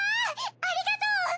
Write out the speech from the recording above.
ありがとう！